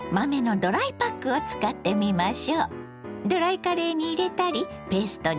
ドライカレーに入れたりペーストにしてオードブルに。